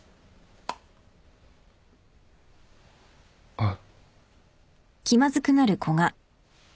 あっ。